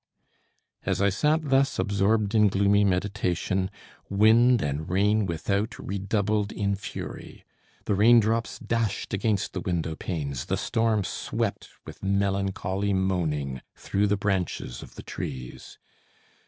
As I sat thus, absorbed in gloomy meditation, wind and rain without redoubled in fury. The rain drops dashed against the window panes, the storm swept with melancholy moaning through the branches of the trees.